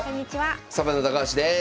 サバンナ高橋です。